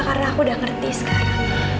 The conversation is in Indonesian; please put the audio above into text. karena aku udah ngerti sekarang